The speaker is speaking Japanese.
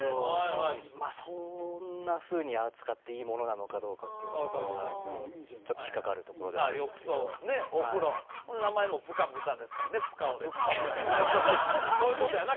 そんなふうに扱っていいものなのかどうかっていうところがやっぱりちょっと引っ掛かるところではあるんですけどお風呂ほんでプカオでプカプカしながらそういうことやな？